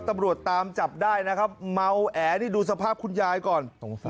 ตำรวจตามจับได้นะครับเมาแอนี่ดูสภาพคุณยายก่อน